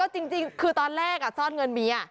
จริงคือตอนแรกซ่อนเงินเมีย